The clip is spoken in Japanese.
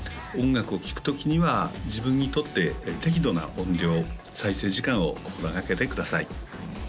音楽を聴くときには自分にとって適度な音量再生時間を心掛けてください